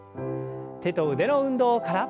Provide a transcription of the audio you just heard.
手と腕の運動から。